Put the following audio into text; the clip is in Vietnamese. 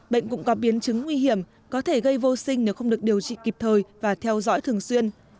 bệnh cũng có biến chứng nguy hiểm có thể gây vô sinh nếu không được điều trị kịp thời và theo dõi thường xuyên